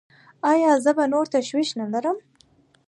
ایا زه به نور تشویش نلرم؟